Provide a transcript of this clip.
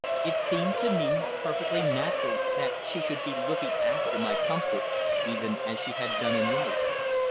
It seemed to me perfectly natural that she should be looking after my comfort, even as she had done in life.